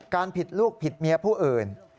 ผิดลูกผิดเมียผู้อื่น